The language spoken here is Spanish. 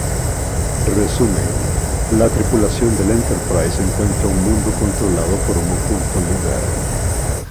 Resumen: La tripulación del "Enterprise" encuentra un mundo controlado por un oculto líder.